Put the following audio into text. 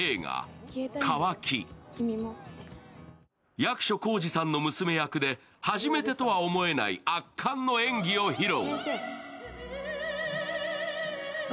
役所広司さんの娘役で、初めてとは思えない圧巻の演技を披露。